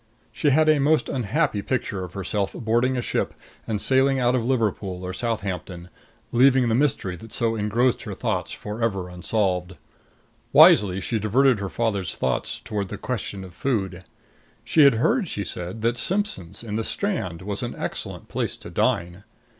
She had a most unhappy picture of herself boarding a ship and sailing out of Liverpool or Southampton, leaving the mystery that so engrossed her thoughts forever unsolved. Wisely she diverted her father's thoughts toward the question of food. She had heard, she said, that Simpson's, in the Strand, was an excellent place to dine.